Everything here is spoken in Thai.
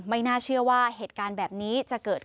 ไม่น่าเชื่อว่าเหตุการณ์แบบนี้จะเกิดขึ้น